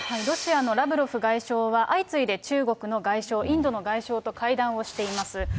ロシアのラブロフ外相は、相次いで、中国の外相、インドの外相と会談をしています。